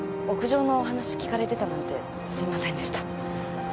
屋上の話聞かれてたなんてすいませんでした。